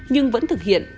nhưng vẫn thực hiện